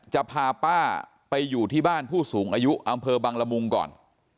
จะพาป้าไปอยู่ที่บ้านผู้สูงอายุอำเภอบังละมุงก่อน